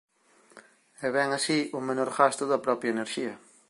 E ben así o menor gasto da propia enerxía.